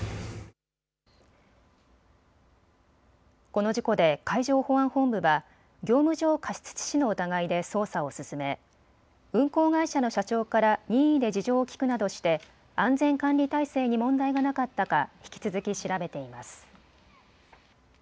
この事故で海上保安本部は業務上過失致死の疑いで捜査を進め運航会社の社長から任意で事情を聴くなどして安全管理体制に問題がなかったか引き続き調べています。